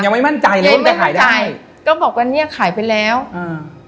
ยังไม่มั่นใจยังไม่มั่นใจก็บอกว่าเนี้ยขายไปแล้วอืม